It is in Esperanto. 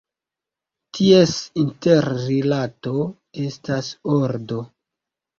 Ties interrilato estas ordo.